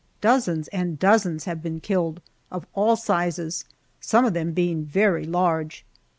Dozens and dozens have been killed, of all sizes, some of them being very large.